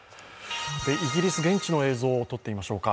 イギリス、現地の映像をとってみましょうか。